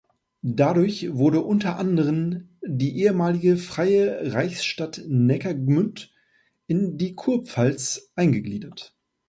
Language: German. Dadurch wurde unter anderen die ehemalige freie Reichsstadt Neckargemünd in die Kurpfalz eingegliedert.